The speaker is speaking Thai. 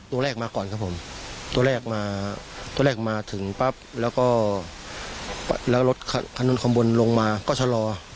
ตัวแรกมาก่อนครับผมตัวแรกมาตัวแรกมาถึงปั๊บแล้วก็แล้วรถคันนู้นข้างบนลงมาก็ชะลอ